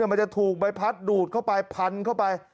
มันจะถูกใบพัดดูดเข้าไปพันเข้าไป